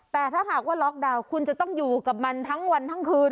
แต่ถ้าหากว่าล็อกดาวน์คุณจะต้องอยู่กับมันทั้งวันทั้งคืน